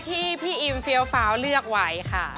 ที่พี่อิมเฟี้ยวฟ้าวเลือกไว้ค่ะ